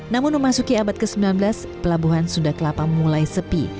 namun memasuki abad ke sembilan belas pelabuhan sunda kelapa mulai sepi